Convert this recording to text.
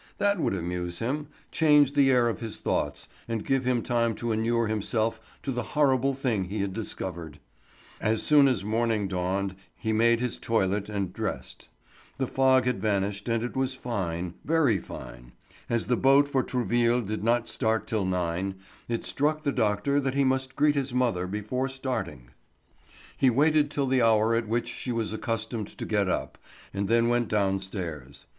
That would amuse him, change the air of his thoughts, and give him time to inure himself to the horrible thing he had discovered. As soon as morning dawned he made his toilet and dressed. The fog had vanished and it was fine, very fine. As the boat for Trouville did not start till nine, it struck the doctor that he must greet his mother before starting. He waited till the hour at which she was accustomed to get up, and then went downstairs.